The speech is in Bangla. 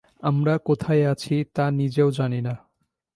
আমরা কোথায় আছি তা নিজেও জানি না।